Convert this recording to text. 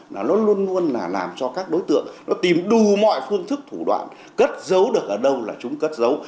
nó luôn luôn là làm cho các đối tượng tìm đủ mọi phương thức thủ đoạn cất dấu được ở đâu là chúng cất dấu